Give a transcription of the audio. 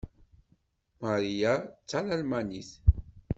Mariya d talmanit.